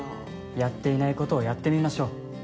やっていないことをやってみましょう。